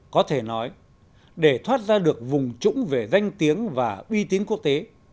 có thể nói để thoát ra được vùng trũng về danh tiếng và uy tín quốc tế